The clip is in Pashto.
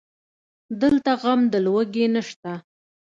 دلته غم د لوږې نشته